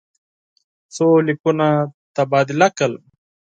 څو لیکونه تبادله کړل.